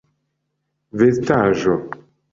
vestaĵo